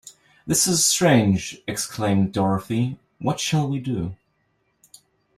"This is strange," exclaimed Dorothy; "what shall we do?"